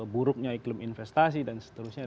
buruknya iklim investasi dan seterusnya